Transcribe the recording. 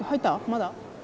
まだ？